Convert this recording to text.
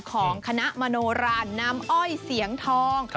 ของคณะมโนราน้ำอ้อยเสียงทอง